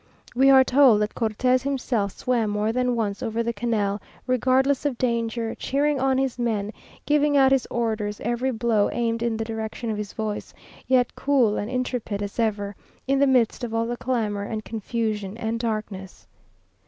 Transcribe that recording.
We are told that Cortes himself swam more than once over the canal, regardless of danger, cheering on his men, giving out his orders, every blow aimed in the direction of his voice, yet cool and intrepid as ever, in the midst of all the clamour and confusion and darkness.